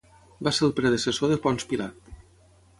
Va ser el predecessor de Ponç Pilat.